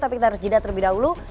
tapi kita harus jeda terlebih dahulu